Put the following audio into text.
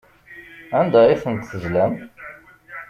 Anda ay tent-tezlam?